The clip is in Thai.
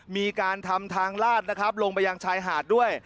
มีการทำทางลาดลงไปยางชายหาดด้วย